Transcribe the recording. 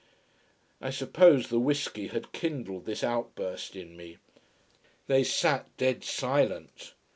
I suppose the whisky had kindled this outburst in me. They sat dead silent.